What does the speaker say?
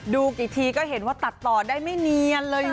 กี่ทีก็เห็นว่าตัดต่อได้ไม่เนียนเลย